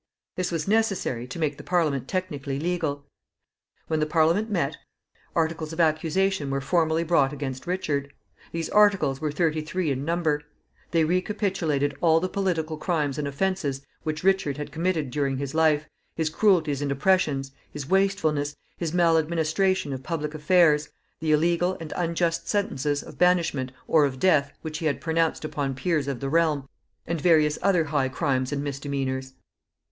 This was necessary, to make the Parliament technically legal. When the Parliament met, articles of accusation were formally brought against Richard. These articles were thirty three in number. They recapitulated all the political crimes and offenses which Richard had committed during his life, his cruelties and oppressions, his wastefulness, his maladministration of public affairs, the illegal and unjust sentences of banishment or of death which he had pronounced upon peers of the realm, and various other high crimes and misdemeanors.